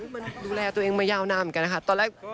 มันดูแลตัวเองมายาวนานเหมือนกันนะคะตอนแรก